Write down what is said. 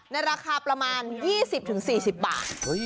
ในราคาประมาณ๒๐๔๐บาท